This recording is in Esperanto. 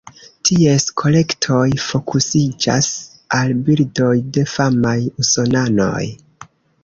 Ties kolektoj fokusiĝas al bildoj de famaj usonanoj.